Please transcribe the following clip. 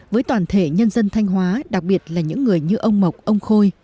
với toàn thể nhân dân thanh hóa đặc biệt là những người như ông mộc ông khôi